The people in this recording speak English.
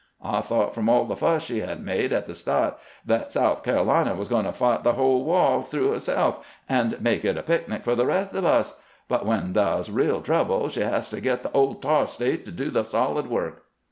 I thought, from aU the fuss she had made at the sta't, that South Ca'lina was goin' to fight the whole wah through herself, and make it a picnic for the rest of us ; but when thah 's real trouble she has to get the ole Tar State to do the solid work."